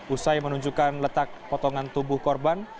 usai menunjukkan letak potongan tubuh korban